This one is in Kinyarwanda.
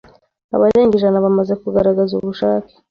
abarenga ijana bamaze kugaragaza ubushake